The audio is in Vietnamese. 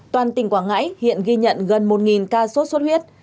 toàn tỉnh quảng ngãi hiện ghi nhận gần một ca sốt xuất huyết